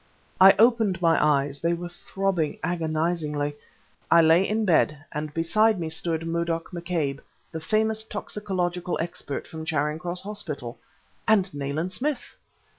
I opened my eyes; they were throbbing agonizingly. I lay in bed, and beside me stood Murdoch McCabe, the famous toxicological expert from Charing Cross Hospital and Nayland Smith!